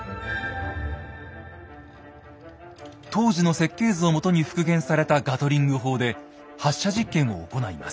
当時の設計図をもとに復元されたガトリング砲で発射実験を行います。